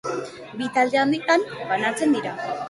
Bi talde handitan banatzen dira.